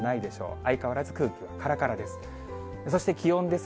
相変わらず空気はからからです。